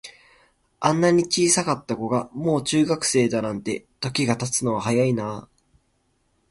あんなに小さかった子が、もう中学生だなんて、時が経つのは早いなあ。